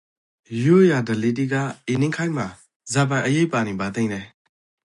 ရိုးရာဓလေ့တိကအေနိခေတ်မှာဇာပိုင် အရေးပါနိန်ပါသိမ့်လဲ?